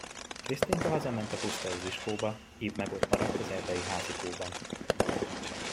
Krisztinka hazament a pusztai viskóba, Ib meg ott maradt az erdei házikóban.